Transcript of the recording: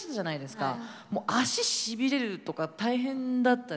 もう足しびれるとか大変だったでしょう。